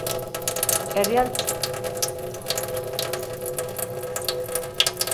Herrialde askotan erretiro adina luzatu nahian dabiltza.